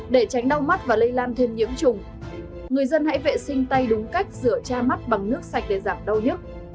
để tránh đau mắt và lây lan thêm nhiễm trùng người dân hãy vệ sinh tay đúng cách rửa cha mắt bằng nước sạch để giảm đau nhức